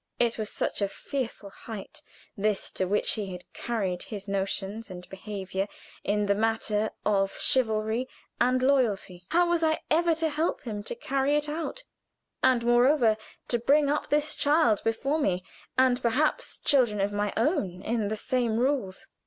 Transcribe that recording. It was such a fearful height, this to which he had carried his notions and behavior in the matter of chivalry and loyalty. How was I ever to help him to carry it out, and moreover, to bring up this child before me, and perhaps children of my own in the same rules?